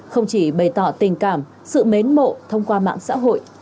không chỉ bày tỏ tình cảm sự mến mộ thông qua mạng xã hội